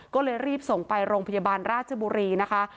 ก็เลยรีบส่งไปโรงพยาบาลราชบุรีนะคะ